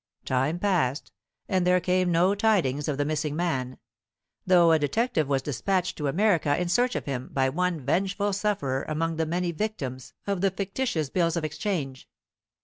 Time passed, and there came no tidings of the missing man, though a detective was despatched to America in search of him by one vengeful sufferer among the many victims of the fictitious bills of exchange.